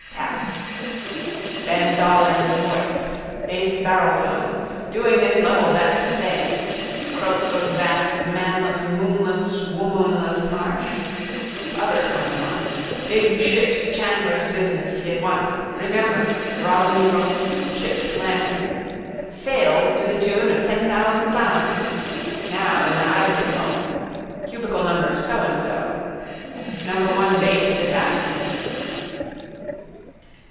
Tap. Ben Dollard's voice. Base barreltone. Doing his level best to say it. Croak of vast manless moonless womoonless marsh. Other comedown. Big ships' chandler's business he did once. Remember: rosiny ropes, ships' lanterns. Failed to the tune of ten thousand pounds. Now in the Iveagh home. Cubicle number so and so. Number one Bass did that for him.